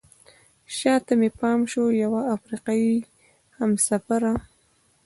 شاته مې پام شو چې یوه افریقایي همسفره.